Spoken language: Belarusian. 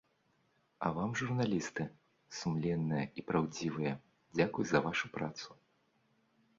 А вам журналісты, сумленныя і праўдзівыя, дзякуй за вашу працу.